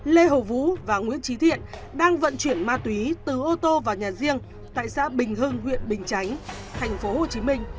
lê hổ vũ và nguyễn trí thiện đang vận chuyển ma túy từ ô tô vào nhà riêng tại xã bình hưng huyện bình chánh tp hcm